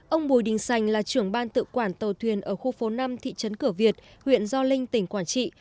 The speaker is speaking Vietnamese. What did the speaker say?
ông bùi đình sành là trưởng ban tự quản tàu thuyền ở khu phố năm thị trấn cửa việt huyện gio linh tỉnh quảng trị